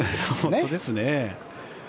本当ですね。